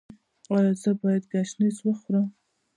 ایا زه باید ګشنیز وخورم؟